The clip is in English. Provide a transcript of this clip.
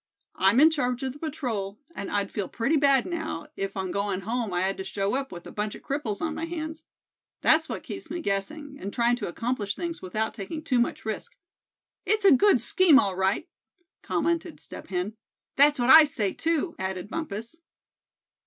I'm in charge of the patrol, and I'd feel pretty bad, now, if on going home I had to show up with a bunch of cripples on my hands. That's what keeps me guessing, and trying to accomplish things without taking too much risk." "It's a good scheme, all right!" commented Step Hen. "That's what I say, too," added Bumpus.